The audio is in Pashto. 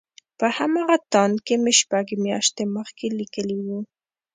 په همغه تاند کې مې شپږ مياشتې مخکې ليکلي وو.